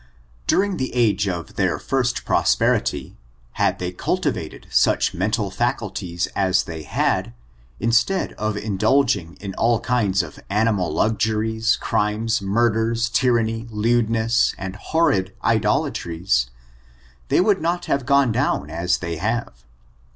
During the age of their first prosperity, had they cultivated such mental faculties as they had, instead of indulging in all kinds of animal luxuries, crimes, murders, tyranny, lewdness, and horrid idolatries, they would not have gone down as they have.